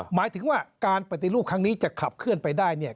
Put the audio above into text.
หมายถึงว่าการปฏิรูปครั้งนี้จะขับเคลื่อนไปได้เนี่ย